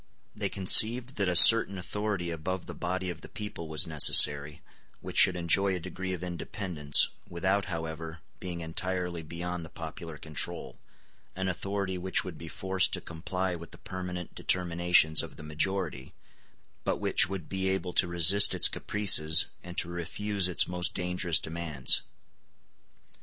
They conceived that a certain authority above the body of the people was necessary, which should enjoy a degree of independence, without, however, being entirely beyond the popular control; an authority which would be forced to comply with the permanent determinations of the majority, but which would be able to resist its caprices, and to refuse its most dangerous demands.